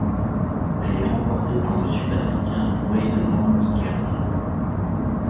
Elle est remportée par le Sud-africain Wayde van Niekerk.